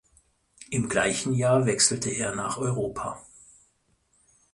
Im gleichen Jahr wechselte er nach Europa.